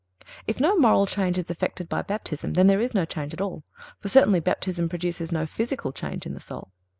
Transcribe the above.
If no moral change is effected by Baptism, then there is no change at all; for certainly Baptism produces no physical change in the soul.